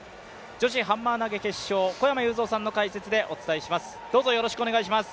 女子ハンマー投、小山裕三さんの解説でお伝えします。